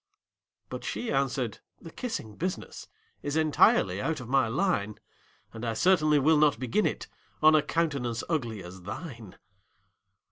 But she answered, "The kissing business Is entirely out of my line; And I certainly will not begin it On a countenance ugly as thine!"